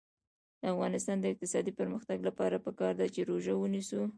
د افغانستان د اقتصادي پرمختګ لپاره پکار ده چې روژه ونیسو.